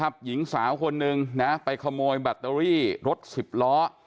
เมื่อผู้หญิงสาวคนหนึ่งไปขโมยแบตเตอรี่รถสิบล้อ